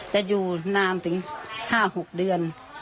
แต่อยู่นานถึง๕๖เดือน